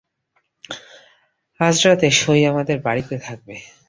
আজ রাতে সই আমাদের বাড়িতে থাকবে।